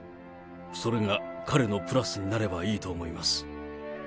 それが彼のプラスになればいいと思います。